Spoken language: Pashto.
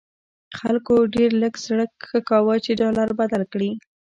خلکو ډېر لږ زړه ښه کاوه چې ډالر بدل کړي.